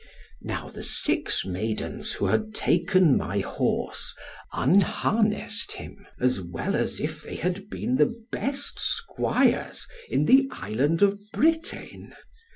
Now the six maidens who had taken my horse, unharnessed him, as well as if they had been the best Squires in the Island of Britain.